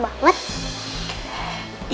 mama kenapa sih kelihatannya senang banget